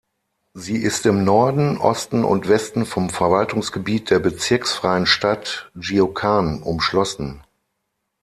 Sie ist im Norden, Osten und Westen vom Verwaltungsgebiet der bezirksfreien Stadt Jiuquan umschlossen.